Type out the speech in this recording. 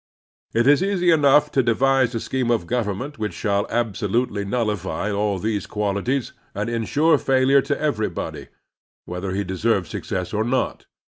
It is easy enough to devise a scheme of government which shall abso lutely ntillify all these qualities and insure failure to everybody, whether he deserves success or not.